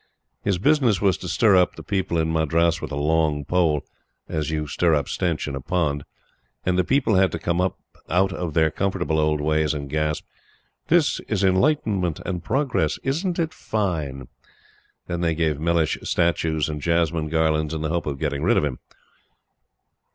His business was to stir up the people in Madras with a long pole as you stir up stench in a pond and the people had to come up out of their comfortable old ways and gasp: "This is Enlightenment and progress. Isn't it fine!" Then they gave Mellishe statues and jasmine garlands, in the hope of getting rid of him.